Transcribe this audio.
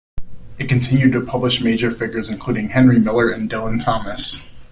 It continued to publish major figures, including Henry Miller and Dylan Thomas.